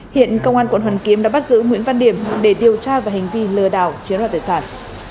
hiện công an quận hoàn kiếm đã bắt giữ nguyễn văn điềm để điều tra về hành vi lừa đảo chiến đoàn tài sản